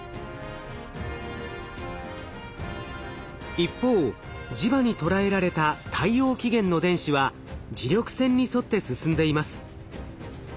一方磁場にとらえられた太陽起源の電子は磁力線に沿って進んでいます。